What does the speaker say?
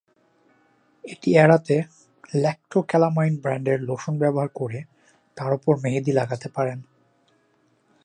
এটি এড়াতে ল্যাকটোক্যালামাইন ব্র্যান্ডের লোশন ব্যবহার করে তার ওপর মেহেদি লাগাতে পারেন।